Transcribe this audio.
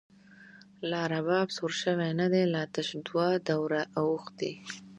لا رباب سور شوۍ ندۍ، لا تش دوه دوره اوښتۍ